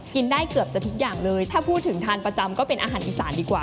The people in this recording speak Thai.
ได้เกือบจะทุกอย่างเลยถ้าพูดถึงทานประจำก็เป็นอาหารอีสานดีกว่า